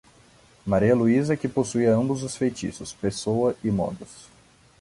Maria Luísa é que possuía ambos os feitiços, pessoa e modos.